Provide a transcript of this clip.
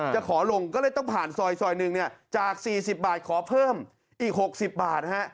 จะขอลงก็เลยต้องผ่านซอยหนึ่งเนี่ยจาก๔๐บาทขอเพิ่มอีก๖๐บาท